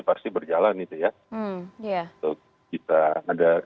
pasti berjalan itu ya